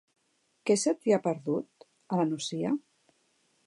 Què se t'hi ha perdut, a la Nucia?